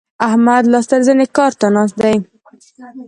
احمد لاس تر زنې کار ته ناست دی.